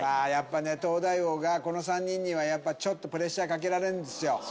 東大王がこの３人にはちょっとプレッシャーかけられんですよ